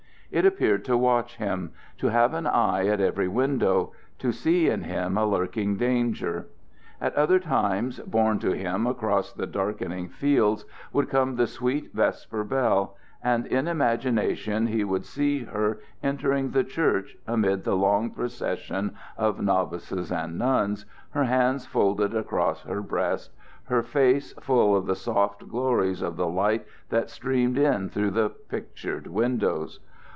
It appeared to watch him; to have an eye at every window; to see in him a lurking danger. At other times, borne to him across the darkening fields would come the sweet vesper bell, and in imagination he would see her entering the church amid the long procession of novices and nuns, her hands folded across her breast, her face full of the soft glories of the lights that streamed in through the pictured windows.